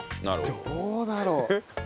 どうだろう？